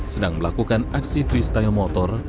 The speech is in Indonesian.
sedang melakukan aksi freestyle motor